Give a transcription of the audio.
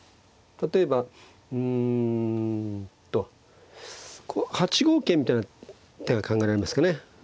例えばうんと８五桂みたいな手が考えられますかね。